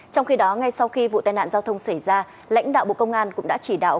trong khi đó ngay sau khi vụ tai nạn giao thông xảy ra lãnh đạo bộ công an cũng đã chỉ đạo